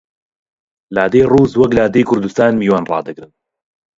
لادێی ڕووس وەک لادێی کوردستان میوان ڕادەگرن